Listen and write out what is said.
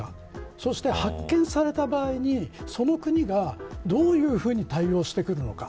そして発見された場合に、その国がどのように対応してくるのか。